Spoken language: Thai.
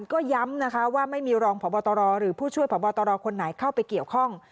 ก็ย้ำนะคะว่าไม่มีรองพบตรหรือผู้ช่วยพบตรคนไหนเข้าไปเกี่ยวข้อง